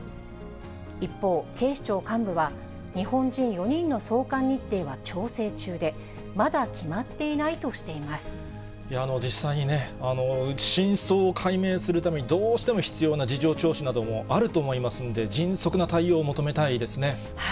一方、警視庁幹部は、日本人４人の送還日程は調整中で、まだ決まってい実際にね、真相を解明するためにどうしても必要な事情聴取などもあると思いますので、迅速な対応を求めたいですね。